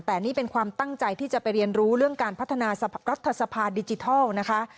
แต่นี่เป็นความตั้งใจที่จะไปเรียนรู้เรื่องการพัฒนารัฐสภาดิจิทัลนะคะ